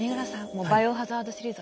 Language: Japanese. もう「バイオハザード」シリーズ